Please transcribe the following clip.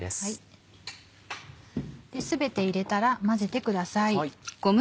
全て入れたら混ぜてください。